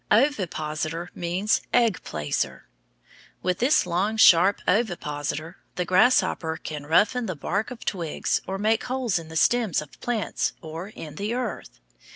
Ovipositor means "egg placer." With this long, sharp ovipositor the grasshopper can roughen the bark of twigs or make holes in the stems of plants or in the earth.